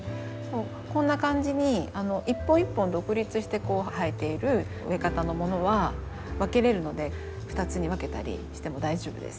こんな感じに一本一本独立して生えている植え方のものは分けれるので２つに分けたりしても大丈夫です。